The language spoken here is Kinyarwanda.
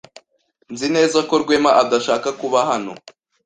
Nzi neza ko Rwema adashaka kuba hano.